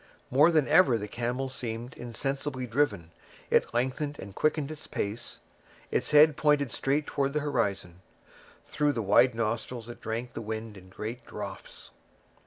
More than ever the camel seemed insensibly driven; it lengthened and quickened its pace, its head pointed straight towards the horizon; through the wide nostrils it drank the wind in great draughts.